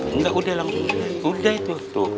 enggak udah langsung udah itu